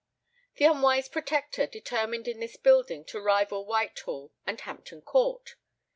The unwise Protector determined in this building to rival Whitehall and Hampton Court.